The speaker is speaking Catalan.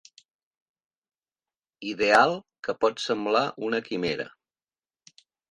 Ideal que pot semblar una quimera.